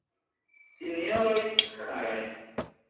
Sinjoroj, karaj!